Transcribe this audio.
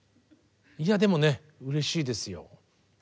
いやでもねうれしいですよ。